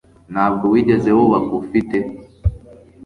Ntabwo wigeze wubaka ufite